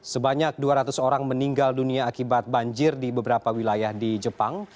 sebanyak dua ratus orang meninggal dunia akibat banjir di beberapa wilayah di jepang